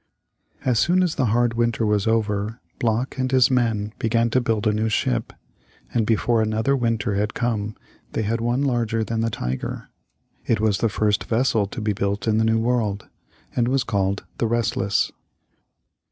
As soon as the hard winter was over, Block and his men began to build a new ship, and before another winter had come they had one larger than the Tiger. It was the first vessel to be built in the new world, and was called the Restless.